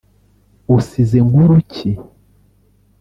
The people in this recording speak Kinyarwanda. Usize nkuru ki